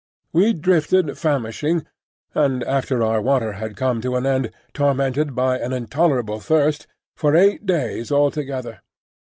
We drifted famishing, and, after our water had come to an end, tormented by an intolerable thirst, for eight days altogether.